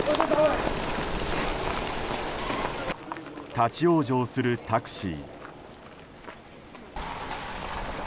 立ち往生するタクシー。